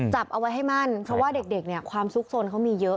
จับเอาไว้ให้มั่นเพราะว่าเด็กเนี่ยความสุขสนเขามีเยอะ